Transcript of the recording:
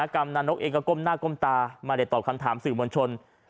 กำลังนกเองก็ก้มหน้าก้มตามาได้ตอบคำถามสื่อมวลชน